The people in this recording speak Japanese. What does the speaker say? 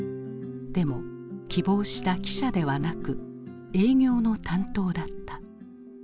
でも希望した記者ではなく営業の担当だった。